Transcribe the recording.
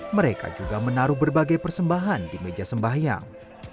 mereka juga menaruh berbagai persembahan di meja sembahyang